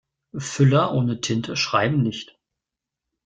Füller ohne Tinte schreiben nicht.